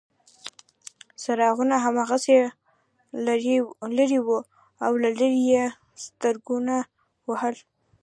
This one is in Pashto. څراغونه هماغسې لرې وو او له لرې یې سترګکونه وهل.